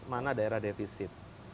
mana daerah defisit